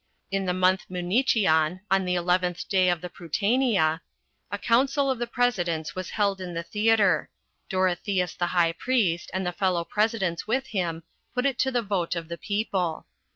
In the month Munychion, on the eleventh day of the prutaneia, a council of the presidents was held in the theater. Dorotheus the high priest, and the fellow presidents with him, put it to the vote of the people.